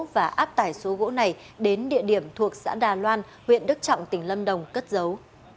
và áp tải số gỗ này đến địa điểm thuộc xã đà loan huyện đức trọng tỉnh lâm đồng cất giấu